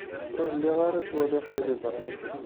Ur lliɣ ara ttwaliɣ tiliẓri.